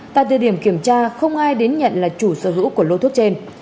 tại thời điểm kiểm tra không ai đến nhận là chủ sở hữu của lô thuốc trên